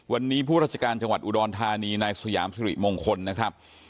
วันนี้ผู้ราชการจังหวัดอุดรธานีนายสยามสุริมงคลนะครับ